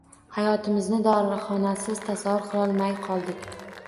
Hayotimizni dorixonasiz tasavvur qilolmay qoldik.